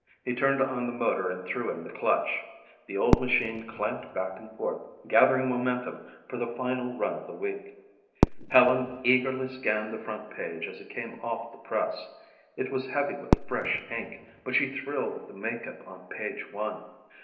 He turned on the motor and threw in the clutch. The old machine clanked back and forth, gathering momentum for the final run of the week. Helen eagerly scanned the front page as it came off the press. It was heavy with fresh ink but she thrilled at the makeup on page one.